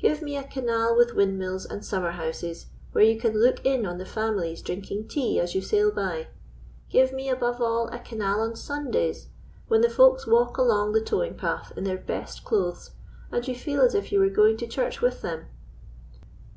Give me a canal with windmills and summer houses where you can look in on the families drinking tea as you sail by; give me, above all, a canal on Sundays, when the folks walk along the towing path in their best clothes, and you feel as if you were going to church with them."